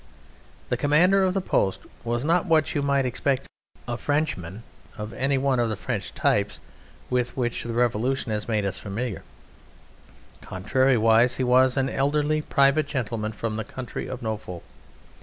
The commander of the post was not what you might expect, a Frenchman of any one of the French types with which the Revolution has made us familiar: contrariwise, he was an elderly private gentleman from the county of Norfolk.